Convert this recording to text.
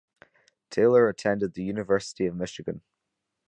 Taylor attended the University of Michigan.